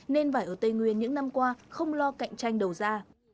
nên vải ở tây nguyên những năm qua không lo cạnh tranh đầu ra